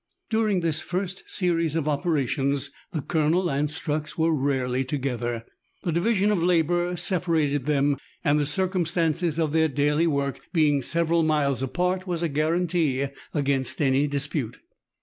During this first series of operations, the Colonel and Strux were rarely to gether. The division of labour separated them, and the circumstance of their daily work being several miles apart was a guarantee against any dispute.